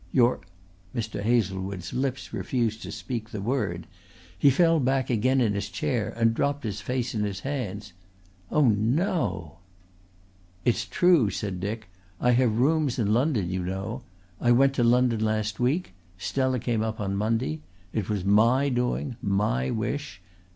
"Your " Mr. Hazlewood's lips refused to speak the word. He fell back again in his chair and dropped his face in his hands. "Oh, no!" "It's true," said Dick. "I have rooms in London, you know. I went to London last week. Stella came up on Monday. It was my doing, my wish.